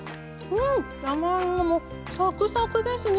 長芋もサクサクですね